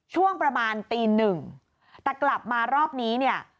ช่วงประมาณตีหนึ่งแต่กลับมารอบนี้เนี่ย